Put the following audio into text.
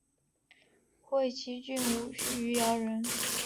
会稽郡余姚人。